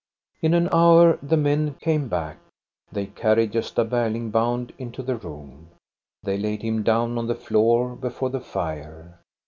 In an hour the men came back. They carried Gosta Berling bound into the room. They laid him down on the floor before the fire.